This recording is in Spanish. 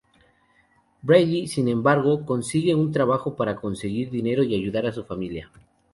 Brady, sin embargo, consigue un trabajo para conseguir dinero y ayudar a su familia.